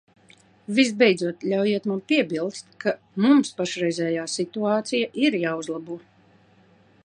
Visbeidzot, ļaujiet man piebilst, ka mums pašreizējā situācija ir jāuzlabo.